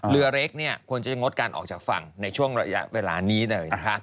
เรือเล็กควรจะงดการออกจากฝั่งในช่วงระยะเวลานี้เลยนะคะ